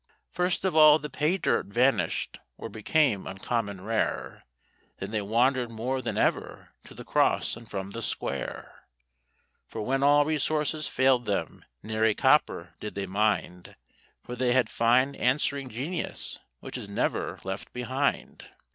First of all the pay dirt vanished or became uncommon rare, Then they wandered more than ever to the Cross and from the Square, For when all resources failed them nary copper did they mind, For they had fine answering Genius, which is never left behind.